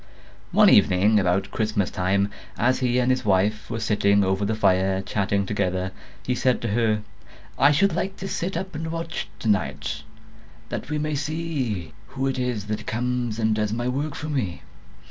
One evening, about Christmas time, as he and his wife were sitting over the fire chatting together, he said to her, 'I should like to sit up and watch tonight, that we may see who it is that comes and does my work for me.